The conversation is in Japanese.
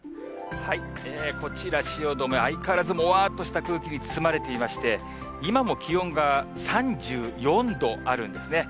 こちら汐留、相変わらずもわーっとした空気に包まれていまして、今も気温が３４度あるんですね。